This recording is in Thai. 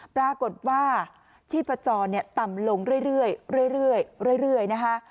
ปรากฏว่าชีพจรต่ำลงเรื่อยนะคะ